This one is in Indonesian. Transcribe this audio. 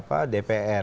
oke yaitu dpr